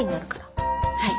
はい。